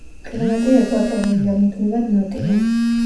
კლიმატი ეკვატორულია, მუდმივად ნოტიო.